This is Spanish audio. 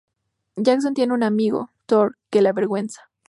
Jackson tiene un amigo, Thor, que le avergüenza.